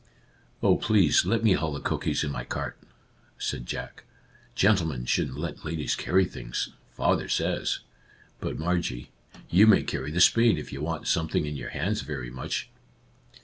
" Oh, please let me haul the cookies in my cart," said Jack. " Gentlemen shouldn't let ladies carry things, father says, — but Margie, you may carry the spade if you want some thing in your hands very much